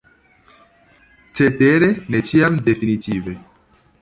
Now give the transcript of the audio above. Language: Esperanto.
Cetere ne ĉiam definitive.